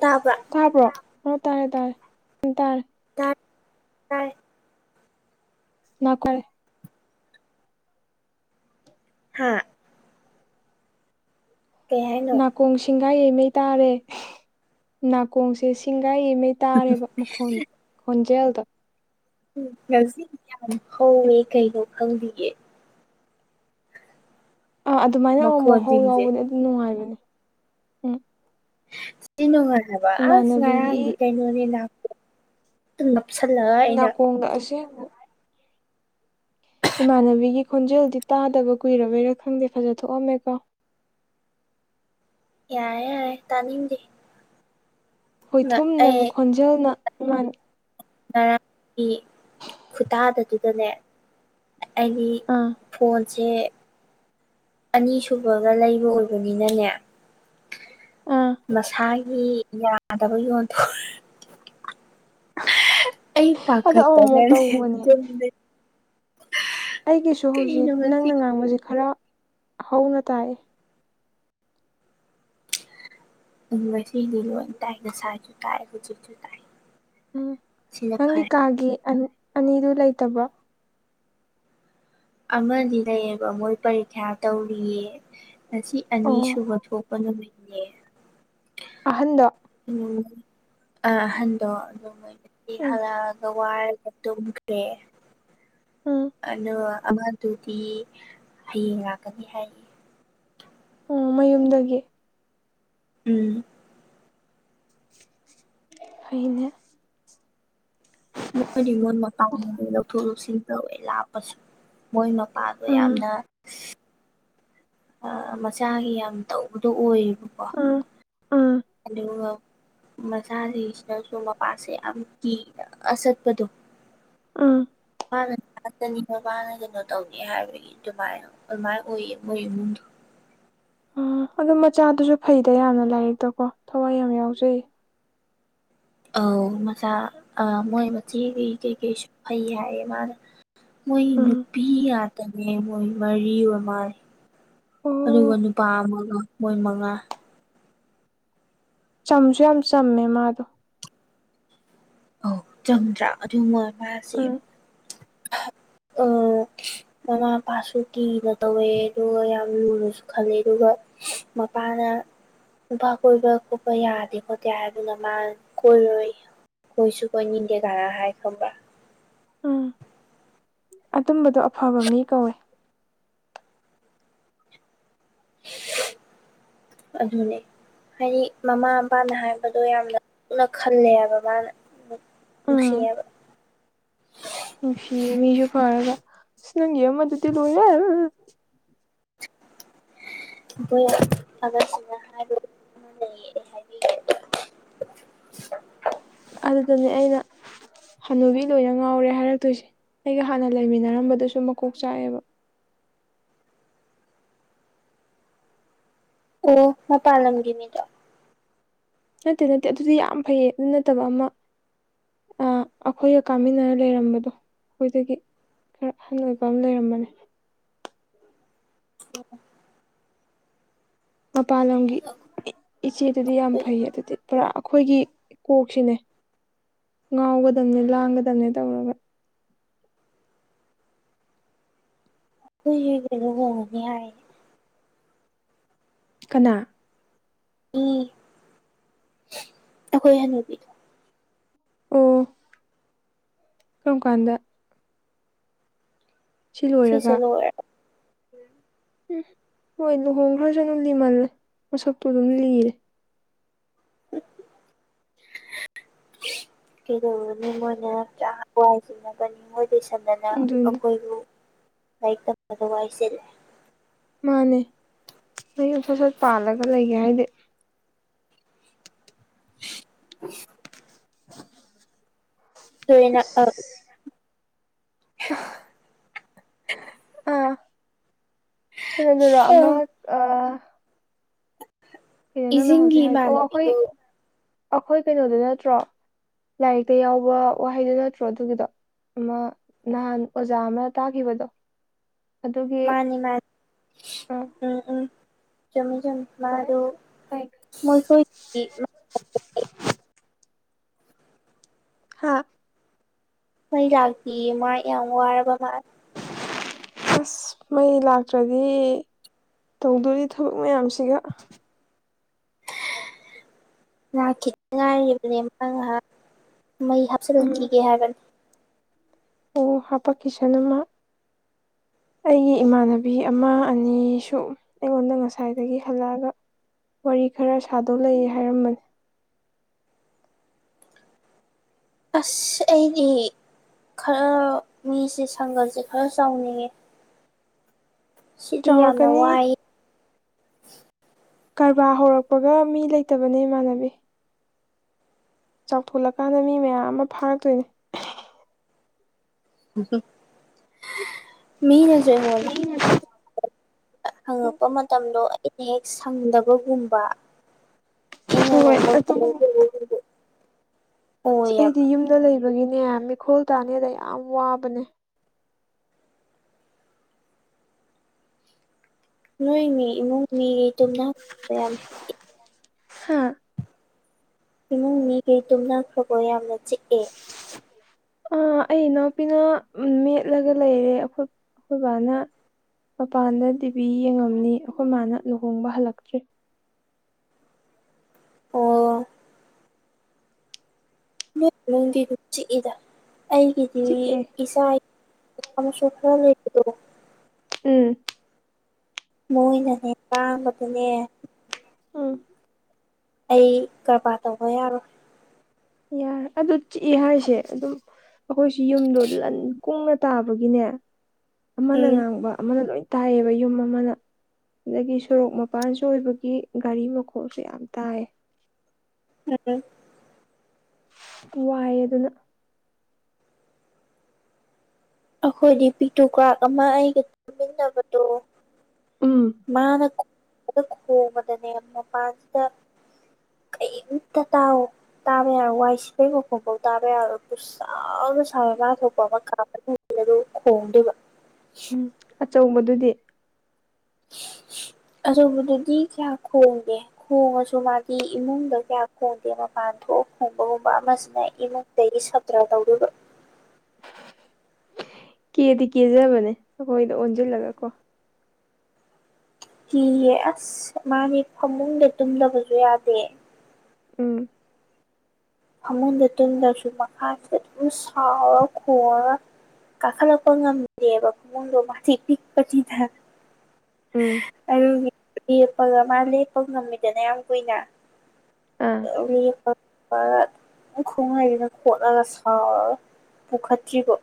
ꯇꯥꯕ꯭ꯔꯥ ꯇꯥꯕ꯭ꯔꯣ ꯑꯣ ꯇꯥꯔꯦ ꯇꯥꯔꯦ ꯇꯥꯔꯦ ꯇ ꯃꯥ ꯀꯣꯏꯦ ꯍꯥ ꯀꯩ ꯍꯥꯏꯅꯣ ꯅꯥꯀꯣꯡ ꯁꯤꯡꯒꯥꯏ ꯌꯩꯉꯩ ꯇꯥꯔꯦ ꯅꯥꯀꯣꯡꯁꯦ ꯉꯥꯏꯒꯤꯉꯩ ꯇꯥꯔꯦꯕ ꯃꯈꯣꯟꯗ ꯈꯣꯟꯖꯦꯜꯗ ꯎꯝ ꯉꯖꯤ ꯌꯥꯝ ꯍꯧꯋꯦ ꯀꯩꯅꯣ ꯈꯪꯕꯤꯌꯦꯦ ꯑꯥ ꯑꯗꯨꯃꯥꯏꯅ ꯑꯃ ꯃꯍꯍꯥꯎ ꯃꯈꯣꯟꯁꯤꯡꯁꯦ ꯂꯥꯎꯕꯅꯦ ꯑꯗꯨꯝ ꯅꯨꯡꯉꯥꯏꯕꯅꯦ ꯎꯝ ꯁꯤ ꯅꯨꯡꯉꯥꯏꯕ ꯑꯁ ꯏꯃꯥꯟꯅꯕꯤꯒꯤ ꯉꯥꯏꯔꯪꯗꯤ ꯀꯩꯅꯣꯅꯦ ꯂꯥꯛꯄ ꯅꯅꯥꯀꯣꯡꯣꯡꯗꯁ ꯏꯃꯥꯟꯅꯕꯤꯒꯤ ꯈꯣꯟꯖꯦꯜꯗꯤ ꯇꯥꯗꯕ ꯀꯨꯏꯔꯕꯩꯔꯥ ꯈꯪꯗꯦ ꯐꯖ ꯊꯣꯛꯑꯝꯃꯦꯀꯣ ꯌꯥꯔꯦ ꯌꯥꯔꯦ ꯇꯥꯅꯤꯡꯗꯦ ꯉ ꯈꯣꯏꯊꯨꯝꯅꯕ ꯑꯩ ꯈꯣꯟꯖꯦꯜꯅ ꯏꯃꯥꯅ ꯉꯔꯥꯡꯒꯤ ꯈꯨꯇꯥꯗꯗꯨꯗꯅꯦ ꯑꯩꯒꯤ ꯑꯥ ꯐꯣꯟꯣꯟ ꯁꯦ ꯑꯅꯤꯁꯨꯕꯒ ꯂꯩꯕ ꯑꯣꯏꯕꯅꯤꯅꯅꯦ ꯑꯥ ꯃꯁꯥꯒꯤ ꯌꯥꯗꯕ ꯌꯣꯟꯗꯣ ꯑꯩ ꯑꯗꯣ ꯑꯃꯨꯛꯃꯨꯛ ꯄꯥꯀꯠꯇꯔꯅꯦ ꯇꯧꯕꯅꯦ ꯑꯩꯒꯤꯁꯨ ꯍꯧꯖꯤꯛ ꯅꯪꯅ ꯉꯥꯡꯕꯁꯤ ꯈꯔ ꯍꯧꯅ ꯇꯥꯏ ꯎꯝꯁ ꯁꯥꯥꯖꯤ ꯎꯝ ꯅꯪꯒꯤ ꯀꯥꯒꯤ ꯑꯅꯤꯗꯨ ꯂꯩꯇꯕꯣ ꯑꯃꯗꯤ ꯂꯩꯌꯦꯕ ꯃꯣꯏ ꯄꯔꯤꯈ꯭ꯌꯥ ꯇꯧꯔꯤꯌꯦ ꯉꯁꯤ ꯑꯣ ꯑꯅꯤꯁꯨꯕ ꯊꯣꯛꯄ ꯅꯨꯃꯤꯠꯅꯦ ꯑꯍꯟꯗ ꯎꯝ ꯑ ꯑꯍꯟꯗꯣ ꯑꯗꯨꯝꯗꯤ ꯎꯝ ꯍꯔꯒ ꯋꯥꯔꯒ ꯇꯨꯝꯈ꯭ꯔꯦ ꯎꯝ ꯑꯗꯨꯒ ꯑꯃꯗꯨꯗꯤ ꯍꯌꯦꯡ ꯂꯥꯛꯀꯅꯤ ꯍꯥꯏꯌꯦ ꯑꯣ ꯃꯌꯨꯝꯗꯒꯤ ꯎꯝ ꯍꯅꯦ ꯣꯏꯔꯤꯃꯣ ꯃꯀ ꯊ ꯁꯤ ꯂ ꯄꯥꯥꯕ ꯎꯝ ꯌꯥꯝꯅ ꯑ ꯃꯆꯥꯒꯤ ꯌꯥꯝ ꯇꯧꯕꯗꯣ ꯑꯣꯏꯌꯦꯕꯀꯣ ꯎꯝ ꯎꯝ ꯑꯗꯨꯒ ꯃꯆꯥꯁꯤꯡꯁꯤꯅꯁꯨ ꯃꯄꯥꯁꯦ ꯌꯥꯝ ꯀꯤꯅ ꯑꯆꯠꯄꯗꯣ ꯎꯝ ꯃꯥ ꯆꯅꯤ ꯃꯕꯥꯅ ꯀꯩꯅꯣ ꯇꯧꯒꯦ ꯍꯥꯏꯕꯒꯤ ꯑꯗꯨꯃꯥꯏꯅ ꯑꯗꯨꯃꯥꯏꯅ ꯑꯣꯏꯌꯦ ꯃꯣꯏ ꯏꯃꯨꯡꯗꯣ ꯎꯝ ꯑꯗꯨ ꯃꯆꯥꯗꯨꯁꯨ ꯐꯩꯗ ꯌꯥꯝꯅ ꯂꯥꯏꯔꯤꯛꯇ ꯀꯣ ꯊꯋꯥꯏ ꯌꯥꯝ ꯌꯥꯎꯖꯩ ꯑ ꯃꯆꯥ ꯑ ꯃꯣꯏ ꯃꯆꯦ ꯀꯩ ꯀꯩ ꯀꯩꯁꯨ ꯐꯩ ꯍꯥꯏꯌꯦ ꯃꯥꯅ ꯃꯣꯏ ꯎꯝ ꯅꯨꯄꯤ ꯌꯥꯇꯅꯦ ꯃꯣꯏ ꯃꯔꯤ ꯑꯣꯏꯃꯥꯏ ꯑꯣ ꯑꯗꯨꯒ ꯅꯨꯄꯥ ꯑꯃꯒ ꯃꯣꯏ ꯃꯉꯥ ꯆꯝꯁꯨ ꯌꯥꯝ ꯆꯝꯃꯦ ꯃꯥꯗꯣ ꯑ ꯆꯪꯗ꯭ꯔꯥ ꯑꯗꯨ ꯃ ꯃꯥꯁꯦ ꯎꯝ ꯑ ꯃꯃꯥ ꯃꯄꯥꯁꯨ ꯀꯤꯅ ꯇꯧꯋꯦ ꯑꯗꯨꯒ ꯌꯥꯝ ꯂꯨꯅꯁꯨ ꯈꯜꯂꯦ ꯑꯗꯨꯒ ꯃ ꯃꯥꯅ ꯅꯨꯄꯥ ꯀꯣꯏꯕ ꯈꯣꯠꯄ ꯌꯥꯗꯦ ꯈꯣꯠꯇꯦ ꯍꯥꯏꯗꯨꯅ ꯃꯥ ꯀꯣꯏꯔꯣꯏ ꯀꯣꯏꯁꯨ ꯀꯣꯏ ꯅꯤꯡꯗꯦ ꯥꯔꯥ ꯍꯥꯏ ꯈꯕꯥ ꯎꯝ ꯑꯗꯨꯝꯕꯗꯣ ꯑꯐꯕ ꯃꯤ ꯀꯧꯋꯦ ꯑꯙꯅꯤ ꯍꯥꯏꯗꯤ ꯃꯃꯥ ꯃꯄꯥꯅ ꯍꯥꯏꯕꯗꯣ ꯌꯥꯝꯅꯨꯅ ꯈꯜꯂꯦꯕ ꯃꯥꯅ ꯎ ꯎꯝ ꯁꯤꯕ ꯃꯤꯁꯨ ꯐꯥꯔꯗ ꯁꯅꯒꯦ ꯃꯗꯨꯗꯤ ꯂꯅ ꯌꯥ ꯑꯩꯈ ꯑ ꯃꯥ ꯂꯩ ꯍꯥꯏ ꯑꯗꯨꯗꯅꯦ ꯑꯩꯅ ꯍꯥꯟꯅꯨꯕꯤ ꯂꯣꯏꯅ ꯉꯥꯎꯔꯦ ꯍꯥꯏꯔꯛꯇꯣꯏꯁꯦ ꯑꯩꯒ ꯍꯥꯟꯅ ꯂꯩꯃꯤꯟꯅꯔꯝꯕꯗꯨꯁꯨ ꯃꯀꯣꯛ ꯆꯥꯛꯑꯦꯕ ꯑꯣ ꯃꯄꯥꯟꯂꯝꯒꯤꯅꯤꯗꯣ ꯅꯠꯇꯦ ꯅꯠꯇꯦ ꯑꯗꯨꯗꯤ ꯌꯥꯝ ꯐꯩꯌꯦ ꯑꯗꯨ ꯅꯠꯇꯕ ꯑꯃ ꯑ ꯑꯩꯈꯣꯏꯒ ꯀꯥꯃꯤꯟꯅꯔ ꯂꯩꯔꯝꯕꯗꯣ ꯑꯩꯈꯣꯏꯗꯒꯤ ꯈꯔ ꯑꯍꯟ ꯑꯣꯏꯕ ꯑꯃ ꯂꯩꯔꯝꯕꯅꯤ ꯑ ꯄꯂꯒꯤꯤ ꯏꯆꯦꯗꯨꯗꯤ ꯌꯥꯝ ꯐꯩ ꯑꯩꯈꯣꯏ ꯑꯗꯨꯗꯤ ꯄꯨꯔꯥ ꯑꯩꯈꯣꯏꯒꯤ ꯀꯣꯛꯁꯤꯅꯦ ꯉꯥꯎꯒꯗꯝꯕꯅꯦ ꯂꯥꯡꯒꯗꯝꯕꯅꯦ ꯇꯧꯔꯒ ꯑꯩꯣꯏ ꯍꯒ ꯍꯒ ꯍꯥꯏ ꯀꯅꯥ ꯎꯝ ꯑꯩꯈꯣꯏ ꯍꯅꯕꯤꯔ ꯑꯣ ꯀꯔꯝ ꯀꯥꯟꯗ ꯁꯤ ꯁꯤꯁꯦ ꯂꯣꯏꯔꯒ ꯅꯅꯨꯡ ꯎꯝ ꯍꯣꯏ ꯂꯨꯍꯣꯡ ꯈ꯭ꯔꯁꯨ ꯑꯗꯨꯝ ꯂꯤꯃꯜꯂꯦ ꯃꯁꯛꯇꯣ ꯑꯗꯨꯝ ꯂꯤꯔꯦ ꯎ ꯀꯩꯗꯧꯕꯅꯤ ꯃꯣꯏꯅ ꯆ ꯍꯋꯥꯏ ꯁꯤꯟꯅꯕꯅꯤꯣꯏ ꯂꯣꯏꯁꯝꯗꯅ ꯑꯗꯨꯅꯤ ꯑꯩꯈꯣꯏꯕꯨ ꯂꯥꯏꯔꯤꯛ ꯇꯝꯕꯗ ꯋꯥꯁꯤꯜꯂꯦ ꯃꯥꯅꯦ ꯅ ꯌꯨꯝ ꯁꯠ ꯁꯠ ꯄꯥꯜꯂꯒ ꯂꯩꯒꯦ ꯍꯥꯏꯗꯤ ꯇꯩꯅ ꯑ ꯑꯁ ꯑꯥ ꯀꯩꯅꯣꯗꯔꯣ ꯑꯧ ꯑꯃꯛ ꯑ ꯀꯩꯅꯣ ꯅꯪꯅ ꯏꯁꯤꯡꯒꯤ ꯍꯧꯖꯤꯛ ꯍꯥꯏ ꯑꯣ ꯑꯩꯈꯣꯏ ꯏꯃꯥꯟꯅꯕꯤꯗꯨ ꯑꯩꯈꯣꯏ ꯀꯩꯅꯣꯗ ꯅꯠꯇ꯭ꯔꯣ ꯂꯥꯏꯔꯤꯛꯇꯥ ꯌꯥꯎꯕ ꯋꯥꯍꯩꯗꯨꯣ ꯅꯠꯇ꯭ꯔꯣ ꯑꯗꯨꯒꯤꯗꯣ ꯑꯃꯥ ꯅꯍꯥꯟ ꯑꯣꯖꯥ ꯑꯃꯅ ꯇꯥꯈꯤꯕꯗꯣ ꯑꯗꯨꯒꯤ ꯃꯥꯅꯦ ꯑꯏ ꯆꯨꯝ ꯃꯥ ꯑ ꯑꯗꯨ ꯈꯪꯉꯦ ꯈꯪꯉꯦ ꯃꯣꯏ ꯀ [inaudible] ꯍꯥꯥ ꯃꯩ ꯂꯥꯛꯇ ꯃꯥ ꯌꯥꯝ ꯋꯥꯔꯕ ꯃꯥ ꯑꯁ ꯃꯩ ꯂꯥꯛꯇ꯭ꯔꯗꯤ ꯇꯧꯗꯣꯔꯤ ꯊꯕꯛ ꯃꯌꯥꯝꯁꯤꯒ ꯉꯥꯛ ꯈꯤꯇꯪ ꯉꯥꯏꯔꯤꯕꯅꯦ ꯃꯥ ꯉꯥꯏꯍꯥꯛ ꯃꯩ ꯍꯥꯞꯁ ꯎꯝ ꯂꯈꯤꯒꯦ ꯍꯥꯏꯒ ꯑꯣ ꯍꯥꯄꯀꯤꯁꯅꯃ [inaudible] ꯑꯩꯒꯤ ꯏꯃꯥꯟꯅꯕꯤ ꯑꯃ ꯑꯅꯤꯁꯨ ꯑꯩꯉꯣꯟꯗ ꯉꯁꯥꯏꯗꯒꯤ ꯍꯜꯂꯛꯑꯒ ꯋꯥꯔꯤ ꯈꯔ ꯁꯥꯗꯣ ꯂꯩ ꯍꯥꯏꯔꯝꯕꯅꯤ ꯑꯁ ꯑꯩꯅꯦ ꯈꯔ ꯃꯤꯁꯦ ꯁꯪꯒꯁꯦ ꯈꯔ ꯆꯥꯎꯅꯤꯡꯉꯦ ꯁꯤꯗꯤ ꯌꯥꯝꯅ ꯆꯥꯎꯔꯛꯀꯅꯤ ꯋꯥꯏ ꯀꯔꯕꯥꯔ ꯍꯧꯔꯛꯄꯒ ꯃꯤ ꯂꯩꯇꯕꯅꯦ ꯏꯃꯥꯟꯅꯕꯤ ꯆꯥꯎꯊꯠꯂꯀꯥꯟꯗ ꯃꯤ ꯃꯌꯥꯝ ꯑꯃ ꯐꯥꯔꯛꯇꯣꯏꯅꯤ ꯃꯤꯅꯦꯖꯤꯦ ꯍꯗ ꯍꯪꯉꯛꯄ ꯃꯇꯝꯗꯣ ꯑꯩꯅ ꯍꯦꯛ ꯁꯪꯗꯕꯒꯨꯝꯕ ꯍꯣꯏ ꯌꯦꯉꯃ ꯑꯗꯨꯒꯨꯝꯕ ꯑꯁ ꯑꯩꯗꯤ ꯌꯨꯝꯗ ꯂꯩꯕꯒꯤꯅꯦ ꯃꯤꯈꯣꯜ ꯇꯥꯅꯦꯗ ꯌꯥꯝ ꯋꯥꯕꯅꯦ ꯅꯣꯏ ꯃꯤ ꯏꯃꯨꯡ ꯃꯤꯇꯣꯅ ꯍꯥꯥ ꯏꯃꯨꯡ ꯃꯤꯒꯤ ꯇꯨꯝꯅꯈ꯭ꯔꯕꯣ ꯌꯥꯝꯅ ꯆꯤꯛꯑꯦ ꯑꯩ ꯏꯅꯥꯎꯄꯤꯅ ꯃꯦꯠꯂꯒ ꯂꯩꯔꯦ ꯑꯩꯈꯣꯏ ꯑꯩꯈꯣꯏ ꯕꯥꯅ ꯃꯄꯥꯟꯗ ꯇꯤꯚꯤ ꯌꯦꯡꯉꯝꯅꯤ ꯑꯩꯈꯣꯏ ꯃꯥꯅ ꯂꯨꯍꯣꯡꯕ ꯍꯜꯂꯛꯇ꯭ꯔꯦ ꯑꯣ ꯆꯤꯛꯏꯗ ꯑꯩꯒꯤꯗꯤ ꯆꯤꯛꯑꯦ ꯏꯆꯥ ꯁꯥ ꯐꯗ ꯎꯝ ꯃꯣꯏꯅꯅꯦ ꯀꯥꯡꯥꯡꯕꯗꯨꯅꯦ ꯎꯝ ꯑꯩ ꯀꯔꯕꯥꯔ ꯇꯧꯕ ꯌꯥꯔꯣꯏ ꯌꯥꯔꯦ ꯑꯗꯨ ꯆꯤꯛꯑꯦ ꯍꯥꯏꯁꯦ ꯑꯗꯨꯝ ꯑꯩꯈꯣꯏꯁꯨ ꯌꯨꯝꯗꯣ ꯂꯟ ꯀꯨꯡꯅ ꯇꯥꯕꯒꯤꯅꯦ ꯑꯃꯅ ꯎꯝ ꯉꯥꯡꯕ ꯑꯃꯅ ꯂꯣꯏ ꯇꯥꯏꯌꯦꯕ ꯌꯨꯝ ꯑꯃꯅ ꯑꯗꯒꯤ ꯁꯣꯔꯣꯛ ꯃꯄꯥꯟꯁꯨ ꯑꯣꯏꯕꯒꯤ ꯒꯥꯔꯤ ꯃꯈꯣꯡꯜꯁꯨ ꯌꯥꯝ ꯇꯥꯏ ꯎꯝ ꯋꯥꯏꯑ ꯑꯗꯨꯅ ꯑꯩꯈꯣꯏꯗꯤ ꯄꯤꯇꯨ ꯀ꯭ꯔꯥꯛ ꯑꯃ ꯑꯩꯒ ꯆꯨꯝꯃꯤꯟꯅꯕꯗꯣ ꯎꯝ ꯃꯥꯅ ꯈꯗ ꯈꯣꯡꯕꯗꯅꯦ ꯃꯄꯥꯟꯁꯤꯗ ꯀꯩꯛꯇ ꯇꯥꯎ ꯇꯥꯔꯦ ꯋꯥꯏꯁ ꯐꯕ ꯀꯕꯨꯣ ꯇꯥꯔꯦ ꯄꯁ ꯁꯥꯏ ꯉꯥ ꯊꯣꯛꯄ ꯑꯃ ꯀꯥ ꯑꯗꯨ ꯈꯣꯡꯗꯦꯕ ꯎꯝ ꯑꯆꯧꯕꯗꯨꯗꯤ [unintelligible] ꯑꯧꯕꯗꯨꯗꯤ ꯀꯌꯥ ꯈꯣꯡꯗꯦ ꯈꯣꯡꯉꯁꯨ ꯃꯥꯗꯤ ꯏꯃꯨꯡꯗ ꯀꯌꯥ ꯈꯣꯡꯗꯦ ꯃꯄꯥ ꯂꯟꯊꯣꯛ ꯍꯣꯡꯕ ꯍꯣꯡꯕ ꯃꯁꯤꯅ ꯏꯃꯨꯡ ꯁꯥꯇ꯭ꯔꯥ ꯂꯧꯔꯨꯕ ꯀꯦꯗꯤ ꯀꯦꯖꯕꯅꯦ ꯁꯈꯣꯏꯗ ꯑꯣꯟꯁꯤꯜꯂꯒ ꯀꯣ ꯀꯤꯌꯦ ꯑꯁ ꯃꯥꯅꯤ ꯐꯃꯨꯡꯗ ꯇꯨꯝꯗꯕꯁꯨ ꯌꯥꯗꯦ ꯎꯝ ꯐꯃꯟꯗ ꯇꯨꯡꯗ꯭ꯔꯁꯨ ꯃꯈꯥ ꯁꯥꯎꯔ ꯈꯣꯡꯔ ꯀꯥꯈꯂ ꯄꯉꯥ ꯃꯦ ꯀꯨꯃꯗ ꯃꯥꯊꯤ ꯄꯤꯛ ꯄꯇꯗ ꯎꯝ ꯑꯗꯨ ꯂꯦꯞꯄꯒ ꯃꯥ ꯂꯦꯞꯄ ꯉꯝꯃꯤꯗꯅ ꯌꯥꯝ ꯀꯨꯏꯅ ꯑꯥ ꯎ ꯈꯔꯈꯨꯡꯍꯩꯁꯤꯅ ꯈꯣꯠꯂꯒ ꯁꯥꯎꯔꯒ ꯄꯨꯈꯠꯇ꯭ꯔꯤꯕ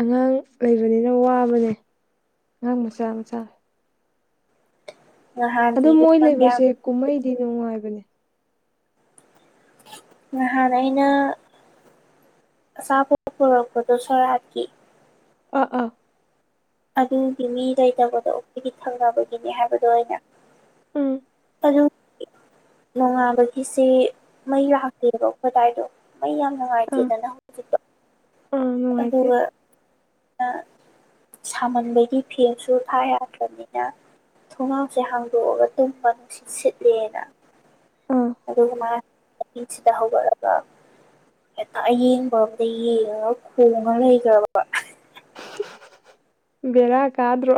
ꯑꯉꯥꯡ ꯂꯩꯕꯅꯤꯅ ꯋꯥꯕꯅꯦ ꯑꯉꯥꯡ ꯃꯆꯥ ꯃꯆꯥ ꯅꯍꯥꯟꯗꯤ ꯑꯗꯣ ꯃꯣꯏ ꯏꯕꯦꯝꯃ ꯀꯌꯥꯝ ꯂꯩꯕꯁꯦ ꯀꯨꯝꯍꯩꯗꯤ ꯅꯨꯡꯉꯥꯏꯕꯅꯦ ꯉ ꯍꯅꯩꯅ ꯁꯥꯕꯨ ꯄꯨꯔꯛꯄꯗꯨꯣ ꯁꯔꯀꯤ ꯑ ꯑꯥ ꯑꯗꯨꯒꯤ ꯃꯤ ꯂꯩꯇꯕꯗꯣ ꯑꯩꯣꯏꯒꯤ ꯊꯪꯅꯕꯒꯤꯅꯦ ꯍꯥꯏꯕꯗꯣ ꯑꯣꯏꯅ ꯎꯝ ꯑꯗꯨ ꯅꯣꯡꯉꯥꯕꯒꯤꯁꯦ ꯃꯩ ꯂꯥꯛꯇꯦꯕ ꯑꯩꯗꯥꯏꯗꯣ ꯃ ꯌꯥꯝ ꯑꯥ ꯅꯨꯡꯉꯥꯏꯇꯦꯗꯅ ꯍꯧꯖꯤꯣ ꯑꯥ ꯅꯨꯡꯉꯥꯏꯇꯦ ꯍꯔ ꯁꯥꯃꯟꯕꯒꯤ ꯐꯦꯡꯁꯨ ꯊꯥ ꯌꯥꯗ꯭ꯔꯕꯅꯤꯅ ꯊꯣꯡꯅꯥꯎꯁꯦ ꯍꯥꯡꯗꯣꯛꯑꯒ ꯇꯨꯝ ꯃꯅꯨꯡ ꯅꯨꯡꯁꯤꯠ ꯁꯤꯠꯂꯦꯅ ꯑꯥ ꯑꯗꯨꯒꯥꯡ ꯆꯍꯤꯁꯤꯗ ꯍꯧꯒꯠꯂꯒ ꯍꯦꯛꯇ ꯌꯦꯡꯕ ꯑꯝꯗ ꯌꯦꯡꯉꯒ ꯈꯣꯡꯉ ꯂꯩꯈ꯭ꯔꯕ ꯕꯔ ꯀꯥꯗ꯭ꯔꯣ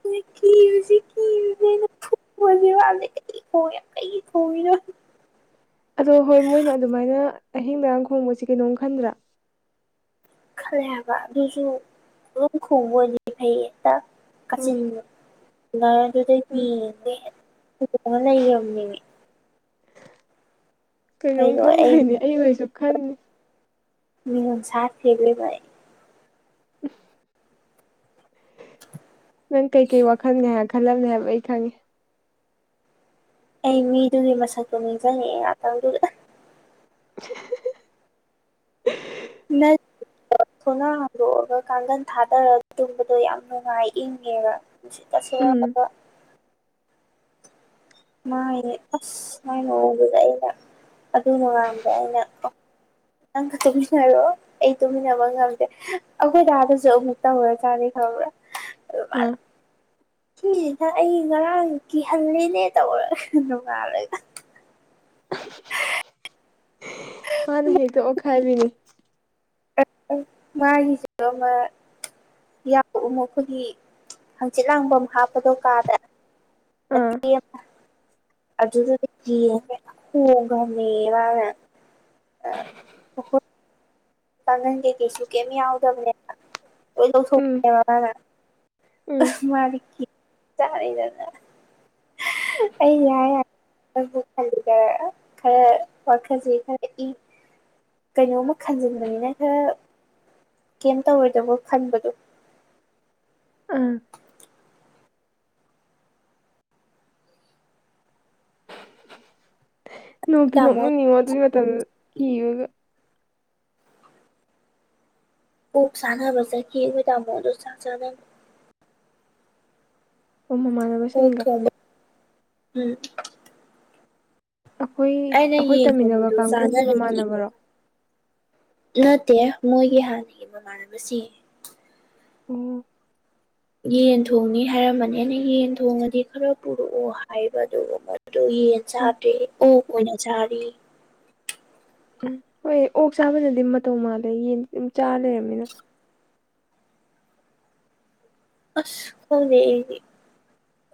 ꯍꯧꯖꯤ ꯍꯧ ꯃꯒꯤ ꯋꯥꯅꯦ ꯀꯩꯣ ꯌꯥꯝ ꯀꯩ ꯈꯣ ꯔ ꯑꯗꯣ ꯍꯣꯏ ꯃꯣꯏꯅ ꯑꯗꯨꯃꯥꯏꯅ ꯑꯍꯤꯡ ꯃꯔꯔꯥꯡ ꯈꯣꯡꯕꯁꯤ ꯀꯩꯅꯣꯝ ꯈꯟꯗ꯭ꯔꯥ ꯈꯜꯂꯦ ꯍꯥꯏꯕ ꯑꯗꯨꯁꯨ ꯑꯗꯨꯝ ꯈꯕꯅꯤ ꯐꯩ ꯍꯦꯛꯇ ꯎꯝ ꯀꯆꯤꯟ ꯂꯔꯗ ꯎꯝ ꯂꯩ ꯑꯃꯅꯤꯅꯤꯅꯦ ꯀꯩꯅꯣꯝ ꯑꯩꯗꯣ ꯑꯩ ꯈꯟꯗꯣꯏꯅꯦ ꯑꯩꯍꯣꯏꯁꯨ ꯈꯟꯅꯤ ꯃꯤ ꯁꯥꯔ ꯊꯦꯒꯂꯦ ꯥꯏ [inaudible] ꯅꯪ ꯀꯩꯀꯩ ꯋꯥꯈꯜꯒ ꯍꯥꯏ ꯈꯜꯂꯝꯕꯅꯦ ꯍꯥꯏꯕ ꯑꯩ ꯈꯪꯉꯦ ꯑꯩ ꯃꯤꯗꯨꯒꯤ ꯃꯁꯛ ꯈ ꯉꯖꯅꯤ ꯑꯗꯨ [inaudible] ꯃ ꯊꯣꯡꯅꯥ ꯍꯥꯥꯡꯗꯣꯛꯑꯒ ꯀꯥꯡꯒꯟ ꯊꯥꯗꯔꯒ ꯇꯨꯝꯕꯗꯣ ꯌꯥꯝ ꯅꯨꯡꯉꯥꯏ ꯏꯪꯉꯦꯕ ꯁꯤ ꯇꯁꯤꯦꯡ ꯎꯝ ꯃꯥꯥꯏ ꯑꯁ ꯃꯥꯏ ꯃꯑꯣꯡꯗꯨꯗ ꯑꯩꯅ ꯑꯗꯨ ꯅꯉꯥꯟꯕꯗ ꯑꯩꯅ ꯅꯪꯒ ꯇꯨꯃꯤꯟꯅꯔꯣ ꯑꯩ ꯇꯨꯃꯤꯟꯅꯕ ꯉꯝꯗꯦ ꯑꯩꯈꯣꯏ ꯗꯥꯥꯗꯁꯨ ꯑꯃꯨꯛ ꯇꯧꯔ ꯆꯥꯅꯤ ꯈꯕ꯭ꯔꯥ ꯑꯥ ꯁꯤꯁꯤꯅ ꯑꯩ ꯉꯔꯥꯡ ꯀꯤꯍꯜꯂꯤꯅꯦ ꯇꯧꯔꯒ ꯅꯣꯡꯉꯥꯜꯂꯒ ꯃꯥꯅꯦ ꯍꯦ ꯇ ꯑꯣ ꯈꯥꯏꯕꯤꯅꯤ ꯃꯥꯒꯤꯁꯨ ꯑꯃ ꯌꯥꯎ ꯑꯩꯈꯣꯏꯒꯤ ꯍꯪꯆꯤꯠ ꯂꯥꯡꯐꯝꯝ ꯍꯥꯞꯄꯗꯣ ꯀꯥꯗ ꯑꯥ ꯆ ꯑꯗꯨꯃꯦ ꯋꯥꯅꯦ ꯑ ꯎꯈ ꯄꯉ ꯀꯦ ꯀꯁꯨ ꯀꯃꯤꯗ ꯁ ꯎꯝ ꯎꯝ ꯃꯥ ꯆ ꯑꯩ ꯌꯥ ꯌꯥ ꯈꯕꯨ ꯈꯜꯂꯤꯒ ꯈꯔꯦ ꯋꯥꯈꯁꯤ ꯈꯔ ꯏ ꯀꯩꯅꯣꯝꯃ ꯈꯟꯖꯤꯟꯕꯅꯤꯅ ꯈꯔ ꯀꯩ ꯇꯧꯔꯣꯏꯗꯕꯣ ꯈꯟꯕꯗꯣ ꯑꯥ ꯅꯣꯡꯇꯤ ꯇꯥꯃꯣ ꯅꯣꯛꯃꯤꯅꯤꯡꯉꯣ ꯑꯗꯨꯒꯤ ꯃꯇꯝꯗ ꯀꯤꯕꯒ ꯎꯐ ꯁꯥꯟꯅꯕꯁꯈꯤ ꯇꯃꯣꯗꯨꯣ ꯆ ꯆ ꯎ ꯑꯣꯛ ꯃꯃꯥꯟꯅꯕꯁꯤꯡꯒ ꯊꯣꯡꯕ ꯎꯝ ꯑꯩꯈꯣꯏ ꯑꯩꯅ ꯑꯩꯈꯣꯏ ꯌꯦꯟ ꯇꯝꯃꯤꯟꯅꯕ ꯊꯣꯡꯕꯗꯣ ꯀꯥꯡꯈꯣꯡꯒꯤ ꯆꯥꯅꯔꯗꯤ ꯃꯃꯥꯟꯅꯕꯔꯣ ꯅꯠꯇꯦ ꯃꯣꯏꯒꯤ ꯍꯥꯟꯅꯒꯤ ꯃꯃꯥꯟꯅꯕꯁꯤꯡ ꯎꯝ ꯌꯦꯟ ꯊꯣꯡꯅꯤ ꯍꯥꯏꯔꯝꯕꯅꯦꯅ ꯌꯦꯟ ꯊꯣꯡꯉꯗꯤ ꯈꯔ ꯄꯨꯔꯛꯑꯣ ꯍꯥꯏꯕꯗꯨ ꯌꯦ ꯎꯝ ꯆꯥꯗꯦ ꯑꯣ ꯍꯅ ꯆꯥꯔꯤ ꯎꯝ ꯍꯣꯏ ꯑꯣꯛ ꯆꯥꯕꯅꯗꯤ ꯃꯇꯧ ꯃꯥꯜꯂꯦ ꯌꯦꯟ ꯑꯗꯨꯝ ꯆꯥ ꯂꯩꯔꯅꯤꯅ ꯑꯁ ꯍ ꯂꯩꯗꯤ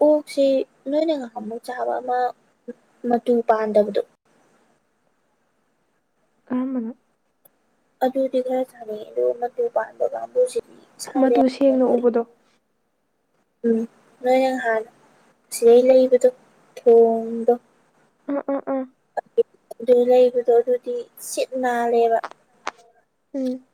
ꯑꯣꯛꯁꯤ ꯅꯣꯏꯅ ꯉꯥꯏꯍꯥꯛꯃꯨꯛ ꯆꯥꯕ ꯑꯃ ꯃꯇꯨ ꯄꯥꯟꯗꯕꯗꯣ ꯀꯃꯅꯦ ꯑꯗꯨꯗꯤꯒ꯭ꯔ ꯆꯅꯤ ꯑꯗꯨꯒ ꯃ ꯄꯥꯟꯕꯒꯝꯕꯁꯤ ꯃꯇꯨ ꯁꯦꯡꯅ ꯎꯕꯗꯣ ꯎꯝ ꯅꯣꯏ ꯅꯍꯥꯟ ꯁꯤꯗꯩ ꯂꯩꯕꯗꯣ ꯊꯣꯡꯗꯣ ꯎꯝ ꯎꯝ ꯎꯝ ꯑꯗꯨ ꯂꯩꯕꯗꯣ ꯑꯗꯨꯗꯤ ꯁꯤꯠ ꯅꯥꯜꯂꯦꯕ ꯎꯝ